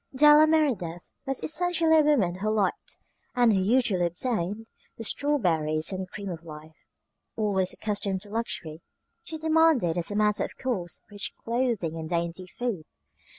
Della Merideth was essentially a woman who liked and who usually obtained the strawberries and cream of life. Always accustomed to luxury, she demanded as a matter of course rich clothing and dainty food.